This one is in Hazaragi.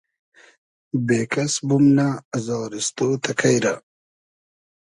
بېکئس بومنۂ ازاریستۉ تئکݷ رۂ